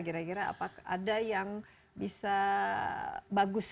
kira kira apakah ada yang bisa bagus